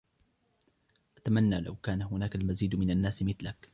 أتمنى لو كان هناك المزيد من الناس مثلك.